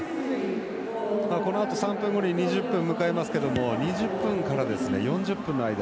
このあと３分後に２０分を迎えますけど２０分から４０分の間